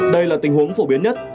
đây là tình huống phổ biến nhất